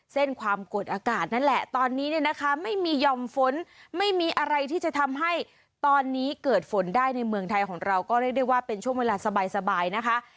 เส้นความกดอากาศนั่นแหละตอนนี้เนี่ยนะคะไม่มีหย่อมฝนไม่มีอะไรที่จะทำให้ตอนนี้เกิดฝนได้ในเมืองไทยของเราก็เรียกได้ว่าเป็นช่วงเวลาสบายนะคะ